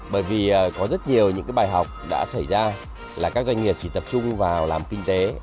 bởi vì có rất nhiều những bài học đã xảy ra là các doanh nghiệp chỉ tập trung vào làm kinh tế